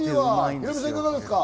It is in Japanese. ヒロミさん、いかがですか？